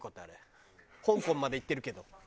香港まで行ってるけど。